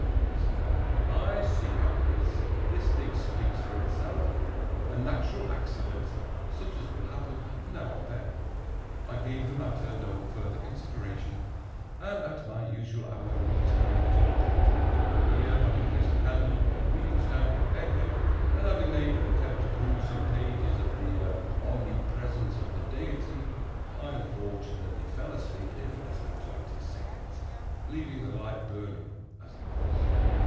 said I, "I see how it is. This thing speaks for itself. A natural accident, such as will happen now and then!" I gave the matter no further consideration, and at my usual hour retired to bed. Here, having placed a candle upon a reading stand at the bed head, and having made an attempt to peruse some pages of the "Omnipresence of the Deity," I unfortunately fell asleep in less than twenty seconds, leaving the light burning as it was.